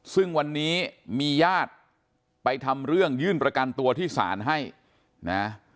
ซึ่งวันนี้มีญาติไปทำเรื่องยื่นประกันตัวที่ศาลให้นะ